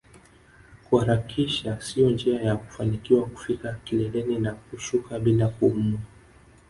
Kuharakisha sio njia ya kufanikiwa kufika kileleni na kushuka bila kuumwa